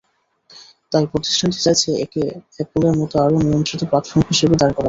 তাই প্রতিষ্ঠানটি চাইছে একে অ্যাপলের মতো আরও নিয়ন্ত্রিত প্ল্যাটফর্ম হিসেবে দাঁড় করাতে।